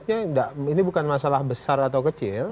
ini bukan masalah besar atau kecil